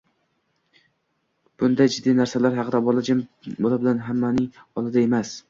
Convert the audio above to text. Bunday jiddiy narsalar haqida bola bilan hammaning oldida emas.